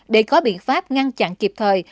để có biện pháp ngăn chặn kịp thời